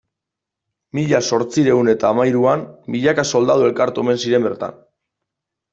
Mila zortziehun eta hamahiruan milaka soldadu elkartu omen ziren bertan.